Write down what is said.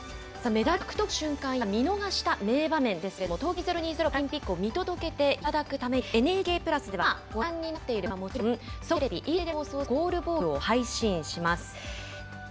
メダル獲得の瞬間や見逃した名場面ですけれども東京２０２０パラリンピックを見届けていただくためにＮＨＫプラスでは今ご覧になっている番組はもちろん総合テレビ、Ｅテレで放送するゴールボールを配信します。